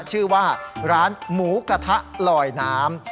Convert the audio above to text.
ชื่อว่าร้านหมูกระทะลอยน้ำ